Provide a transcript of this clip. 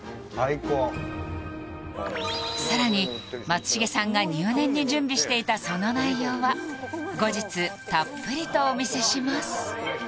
さらに松重さんが入念に準備していたその内容は後日たっぷりとお見せします